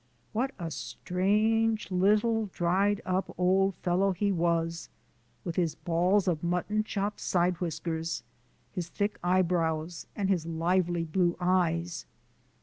What a strange, little, dried up old fellow he was, with his balls of muttonchop sidewhiskers, his thick eyebrows, and his lively blue eyes!